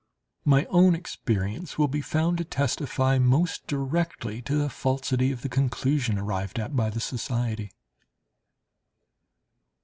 My own experience will be found to testify most directly to the falsity of the conclusion arrived at by the society.